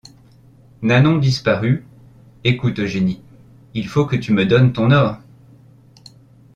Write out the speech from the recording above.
Nanon disparut. — Écoute, Eugénie, il faut que tu me donnes ton or.